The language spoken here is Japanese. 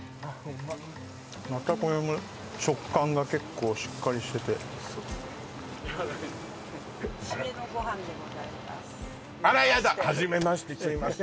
またこれも食感が結構しっかりしててそうですねあらやだはじめましてすいません